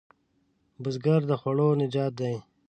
بزګر د خوړو نجات دی